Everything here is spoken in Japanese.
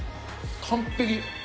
完璧。